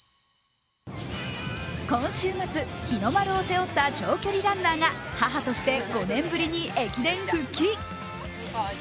今週末、日の丸を背負った長距離ランナーが母として５年ぶりに駅伝復帰。